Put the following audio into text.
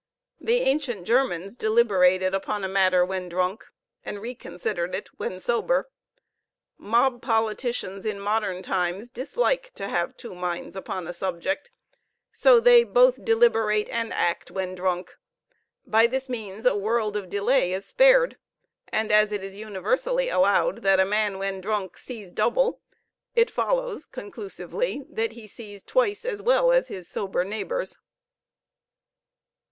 The ancient Germans deliberated upon a matter when drunk, and reconsidered it when sober. Mob politicians in modern times dislike to have two minds upon a subject, so they both deliberate and act when drunk; by this means a world of delay is spared; and as it is universally allowed that a man when drunk sees double, it follows conclusively that he sees twice as well as his sober neighbors.